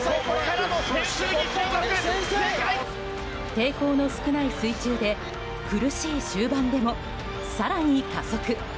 抵抗の少ない水中で苦しい終盤でも更に加速。